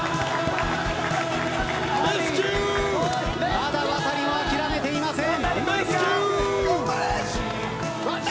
まだワタリも諦めていません。